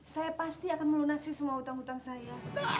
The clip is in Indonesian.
saya pasti akan melunasi semua utang utang saya